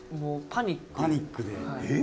パニックで。